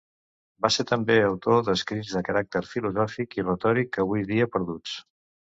Va ser també autor d'escrits de caràcter filosòfic i retòric, avui dia perduts.